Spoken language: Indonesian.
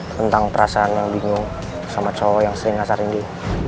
tentang perasaan yang bingung sama cowok yang sering ngasar ini